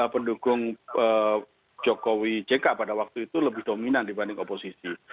pendukung jokowi jk pada waktu itu lebih dominan dibanding oposisi